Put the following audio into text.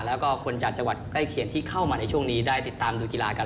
แล้วก็คนจากจังหวัดใกล้เคียงที่เข้ามาในช่วงนี้ได้ติดตามดูกีฬากัน